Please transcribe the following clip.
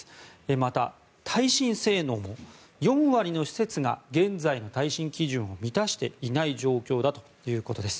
また耐震性能も４割の施設が現在の耐震基準を満たしていない状況だということです。